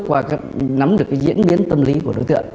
qua nắm được cái diễn biến tâm lý của đối tượng